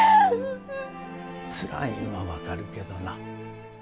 つらいんは分かるけどな。